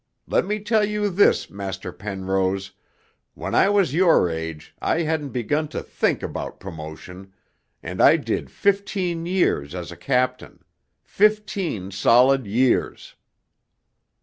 Let me tell you this, Master Penrose, when I was your age I hadn't begun to think about promotion, and I did fifteen years as a captain fifteen solid years!'